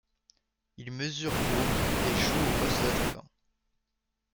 Il mesure pour et joue au poste d'attaquant.